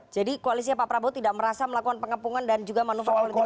jadi koalisinya pak prabowo tidak merasa melakukan pengepungan dan juga manuver politik praktis